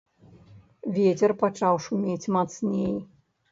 Вецер пачаў шумець мацней.